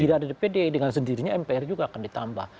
tidak ada dpd dengan sendirinya mpr juga akan ditambah